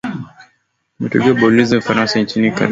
kumtegua balozi wa ufaransa nchini cote de voire